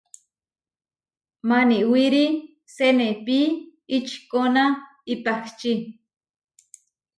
Maniwíri senepí ičikóna ipahčí.